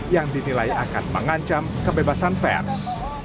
yang dinilai akan mengancam kebebasan pers